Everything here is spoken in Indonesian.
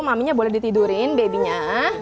maminya boleh ditidurin babynya